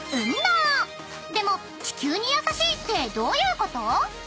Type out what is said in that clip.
でも地球に優しいってどういうこと？］